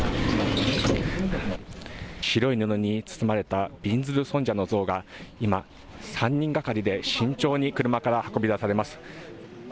白い布に包まれたびんずる尊者の像が今、３人がかりで慎重に車から運び出されます。